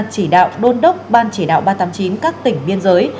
chỉ đạo đôn đốc ban chỉ đạo ba trăm tám mươi chín các tỉnh biên giới